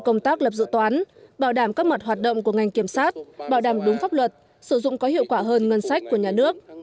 công tác lập dự toán bảo đảm các mặt hoạt động của ngành kiểm soát bảo đảm đúng pháp luật sử dụng có hiệu quả hơn ngân sách của nhà nước